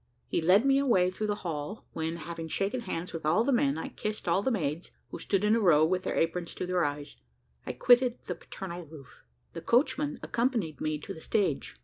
He led me away through the hall, when, having shaken hands with all the men, and kissed all the maids, who stood in a row with their aprons to their eyes, I quitted the paternal roof. The coachman accompanied me to the stage.